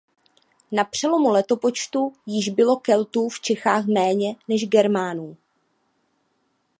Na přelomu letopočtu již bylo Keltů v Čechách méně než Germánů.